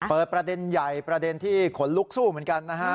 เปิดประเด็นใหญ่ประเด็นที่ขนลุกสู้เหมือนกันนะฮะ